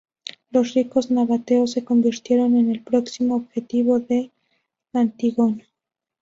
Los ricos nabateos se convirtieron en el próximo objetivo de Antígono.